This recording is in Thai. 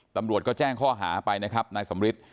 ตำรวจก็แจ้งข้อหาไปนะครับนายสำริท